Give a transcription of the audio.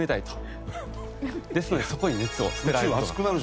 ですのでそこに熱を捨てられれば。